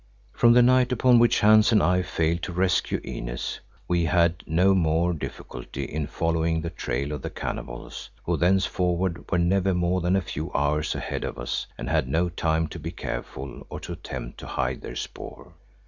From the night upon which Hans and I failed to rescue Inez we had no more difficulty in following the trail of the cannibals, who thenceforward were never more than a few hours ahead of us and had no time to be careful or to attempt to hide their spoor.